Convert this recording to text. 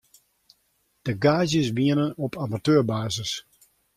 De gaazjes wienen op amateurbasis.